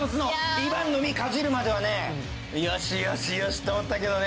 イバンのみかじるまではねよしよしよしと思ったけどね。